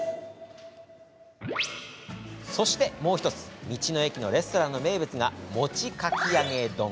そして、もう１つ道の駅のレストランの名物が餅かき揚げ丼。